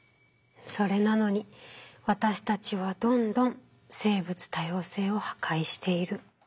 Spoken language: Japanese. それなのに私たちはどんどん生物多様性を破壊している。